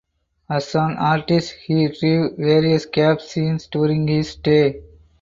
As an artist he drew various Cape scenes during his stay.